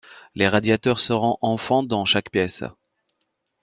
les radiateurs seront en fontes dans chaque pièce